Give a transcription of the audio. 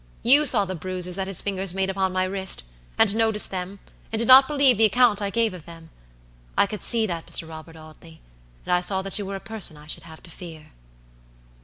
You saw the bruises that his fingers made upon my wrist, and noticed them, and did not believe the account I gave of them. I could see that, Mr. Robert Audley, and I saw that you were a person I should have to fear."